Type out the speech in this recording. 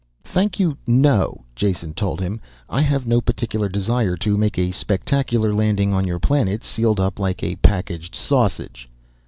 "Thank you, no," Jason told him. "I have no particular desire to make a spectacular landing on your planet sealed up like a packaged sausage."